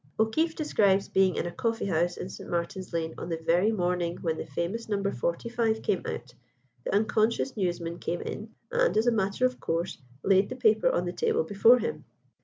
O'Keefe describes being in a coffee house in St. Martin's Lane on the very morning when the famous No. 45 came out. The unconscious newsman came in, and, as a matter of course, laid the paper on the table before him.